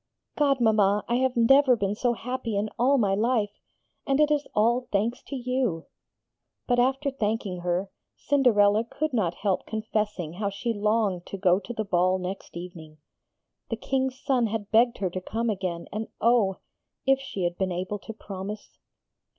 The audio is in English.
'Godmama, I have never been so happy in all my life! And it is all thanks to you!' But after thanking her, Cinderella could not help confessing how she longed to go to the ball next evening. The King's son had begged her to come again, and oh! if she had been able to promise!